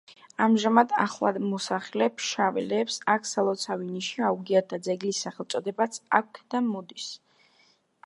ამჟამად ახალმოსახლე ფშავლებს აქ სალოცავი ნიში აუგიათ და ძეგლის სახელწოდებაც აქედან მოდის.